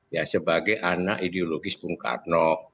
ya sebagai anak ideologis bung karno